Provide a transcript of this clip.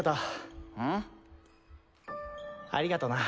ありがとな。